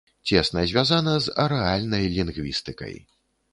Цесна звязана з арэальнай лінгвістыкай.